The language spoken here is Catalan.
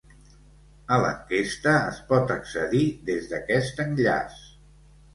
A l’enquesta es pot accedir des d’aquest enllaç.